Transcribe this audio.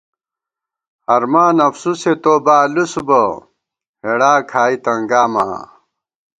ہرمان افسُوسے تو بالُوس بہ ، ہېڑا کھائی تنگامہ آں